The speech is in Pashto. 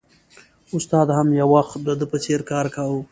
استاد هم یو وخت د ده په څېر کار کاوه